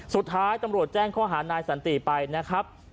สุดท้ายตำรวจแจ้งข้อหานายสันติไปนะครับ